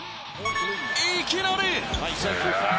いきなり。